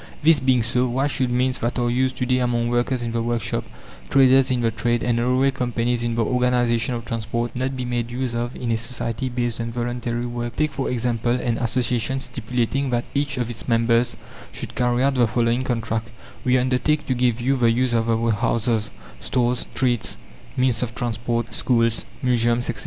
This being so, why should means that are used to day among workers in the workshop, traders in the trade, and railway companies in the organization of transport, not be made use of in a society based on voluntary work? Take, for example, an association stipulating that each of its members should carry out the following contract: "We undertake to give you the use of our houses, stores, streets, means of transport, schools, museums, etc.